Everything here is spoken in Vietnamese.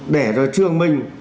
để rồi trường mình